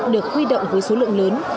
được huy động với số lượng lớn